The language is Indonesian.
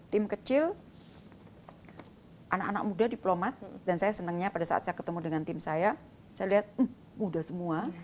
tim kecil anak anak muda diplomat dan saya senangnya pada saat saya ketemu dengan tim saya saya lihat muda semua